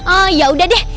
oh yaudah deh